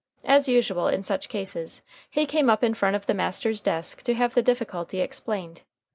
As usual in such cases, he came up in front of the master's desk to have the difficulty explained.